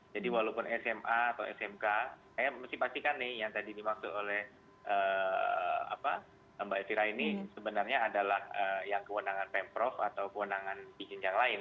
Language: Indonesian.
jadi walaupun sma atau smk saya mesti pastikan nih yang tadi dimaksud oleh mbak esira ini sebenarnya adalah yang kewenangan pemprov atau kewenangan izin yang lain